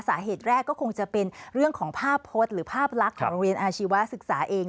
สาเหตุแรกก็คงจะเป็นเรื่องของภาพพจน์หรือภาพลักษณ์ของโรงเรียนอาชีวศึกษาเอง